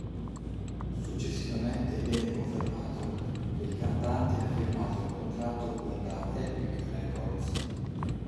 Successivamente viene confermato che il cantante ha firmato un contratto con la Epic Records.